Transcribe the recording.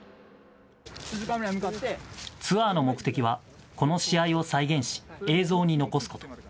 ツアーの目的は、この試合を再現し、映像に残すこと。